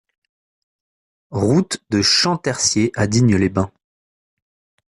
Route de Champtercier à Digne-les-Bains